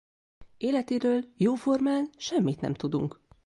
Életéről jóformán semmit nem tudunk.